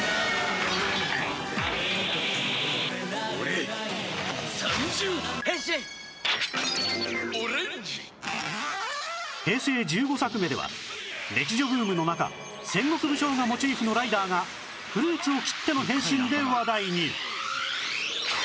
「オレンジ」平成１５作目では歴女ブームの中戦国武将がモチーフのライダーがフルーツを切っての変身で話題に